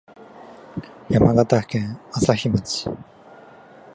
山形県朝日町